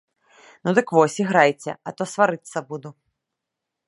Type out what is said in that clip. Ну дык вось, іграйце, а то сварыцца буду.